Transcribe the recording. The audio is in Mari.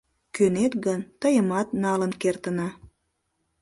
Кӧнет гын, тыйымат налын кертына.